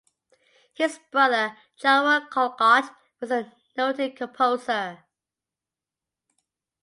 His brother, John Wall Callcott, was a noted composer.